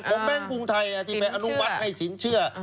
แบงค์กรุงไทยที่ไปอนุมัติให้สินเชื่อ